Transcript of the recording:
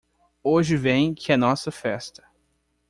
Hoje vem que a nossa festa.